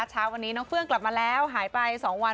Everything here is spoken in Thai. เช้าวันนี้น้องเฟื่องกลับมาแล้วหายไป๒วัน